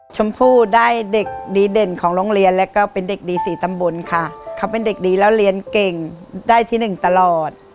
ชมพู่ได้เด็กดีเด่นของโรงเรียนแล้วก็เป็นเด็กดีสี่ตำบลค่ะเขาเป็นเด็กดีแล้วเรียนเก่งได้ที่หนึ่งตลอด